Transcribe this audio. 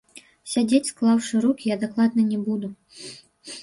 Сядзець склаўшы рукі я дакладна не буду.